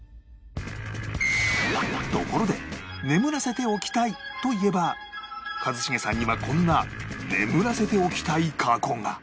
ところで眠らせておきたいといえば一茂さんにはこんな眠らせておきたい過去が